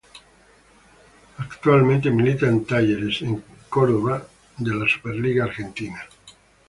Actualmente milita en Talleres de Córdoba de la Superliga Argentina.